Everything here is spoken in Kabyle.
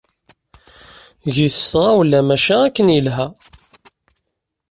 Eg-it s tɣawla maca akken yelha.